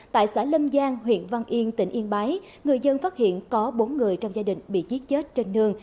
tại xã lâm giang huyện văn yên tỉnh yên bái người dân phát hiện có bốn người trong gia đình bị giết chết trên nương